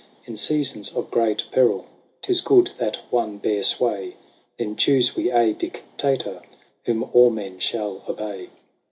In seasons of great peril 'Tis good that one bear sway ; Then choose we a Dictator, Whom all men shall obey.